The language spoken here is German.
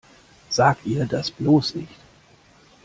Sag ihr das bloß nicht!